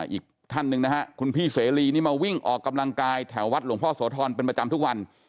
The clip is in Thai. อีกท่านหนึ่งนะฮะคุณพี่เสรีนี่มาวิ่งออกกำลังกายแถววัดหลวงพ่อโสธรเป็นประจำทุกวัน